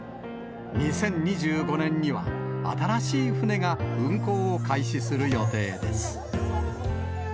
２０２５年には、新しい船が運航を開始する予定です。